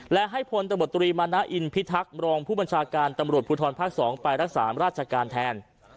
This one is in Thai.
และให้พลตบตรีมานะอินพิทักษ์รองผู้บัญชาการตำรวจภูทรภาค๒ไปรักษาราชการแทน